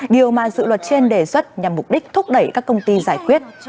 điều mà dự luật trên đề xuất nhằm mục đích thúc đẩy các công ty giải quyết